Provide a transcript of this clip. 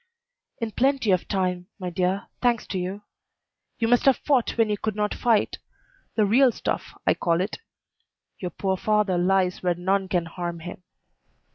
"In plenty of time, my dear; thanks to you. You must have fought when you could not fight: the real stuff, I call it. Your poor father lies where none can harm him.